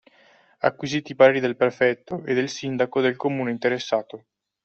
Acquisiti i pareri del prefetto e del sindaco del comune interessato